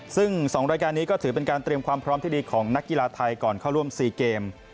ซึ่ง๒รายการนี้ก็ถือเป็นการเตรียมความพร้อมที่ดีของนักกีฬาไทยก่อนเข้าร่วม๔เกม